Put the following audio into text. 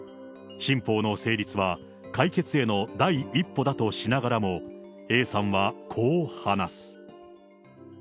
新法の成立は解決への第一歩だとしながらも、Ａさんはこう話す。